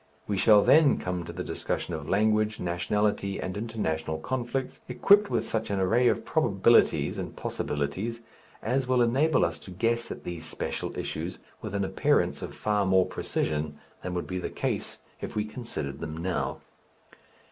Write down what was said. We shall then come to the discussion of language, nationality and international conflicts, equipped with such an array of probabilities and possibilities as will enable us to guess at these special issues with an appearance of far more precision than would be the case if we considered them now.